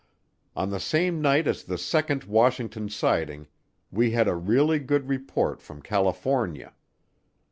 On the same night as the second Washington sighting we had a really good report from California.